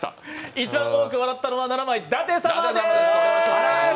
一番多く笑ったのは７枚舘様です。